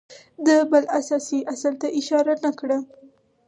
ده بل اساسي اصل ته اشاره نه کړه